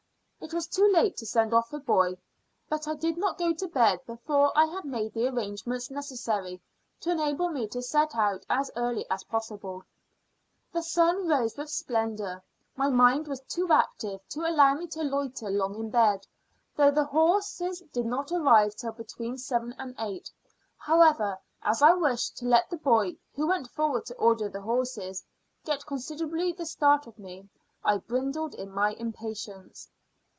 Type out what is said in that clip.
It was too late to send off a boy, but I did not go to bed before I had made the arrangements necessary to enable me to set out as early as possible. The sun rose with splendour. My mind was too active to allow me to loiter long in bed, though the horses did not arrive till between seven and eight. However, as I wished to let the boy, who went forward to order the horses, get considerably the start of me, I bridled in my impatience.